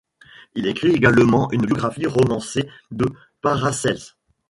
Il écrit également une biographie romancée de Paracelse.